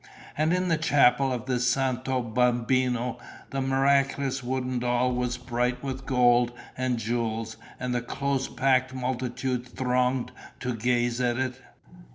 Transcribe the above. And in the chapel of the Santo Bambino the miraculous wooden doll was bright with gold and jewels; and the close packed multitude thronged to gaze at it.